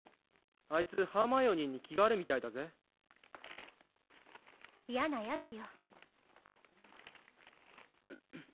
あいつハーマイオニーに気があるみたいだぜ嫌なヤツよ